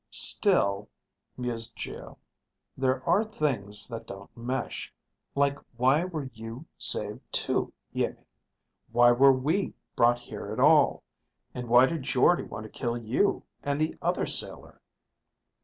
"Still," mused Geo, "there are things that don't mesh. Like why were you saved too, Iimmi? Why were we brought here at all? And why did Jordde want to kill you and the other sailor?"